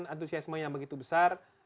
antusiasme yang begitu besar